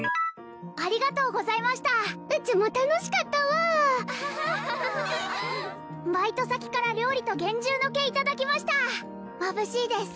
ありがとうございましたうちも楽しかったわバイト先から料理と幻獣の毛いただきましたまぶしいです